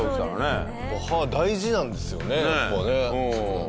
歯は大事なんですよねやっぱね。